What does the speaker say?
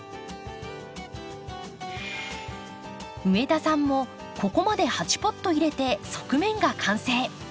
上田さんもここまで８ポット入れて側面が完成。